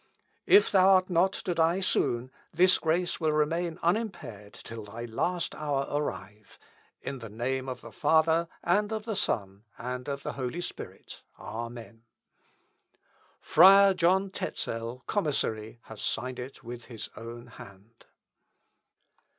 If thou art not to die soon, this grace will remain unimpaired till thy last hour arrive. In the name of the Father, and of the Son, and of the Holy Spirit. Amen. "Friar John Tezel, commissary, has signed it with his own hand."